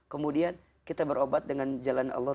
kemudian kita berobat dengan jalan allah